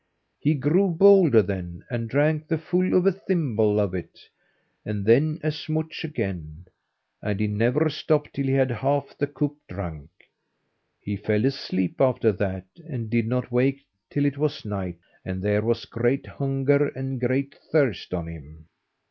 He grew bolder then, and drank the full of a thimble of it, and then as much again, and he never stopped till he had half the cup drunk. He fell asleep after that, and did not wake till it was night, and there was great hunger and great thirst on him.